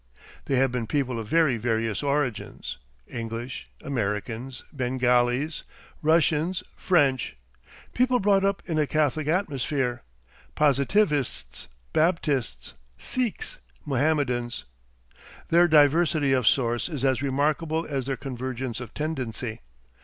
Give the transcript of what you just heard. They have been people of very various origins; English, Americans, Bengalis, Russians, French, people brought up in a "Catholic atmosphere," Positivists, Baptists, Sikhs, Mohammedans. Their diversity of source is as remarkable as their convergence of tendency.